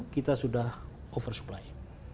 kita sudah oversupply